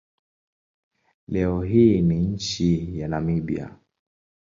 Leo hii ni nchi ya Namibia.